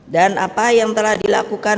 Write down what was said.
dan apa yang telah dilakukan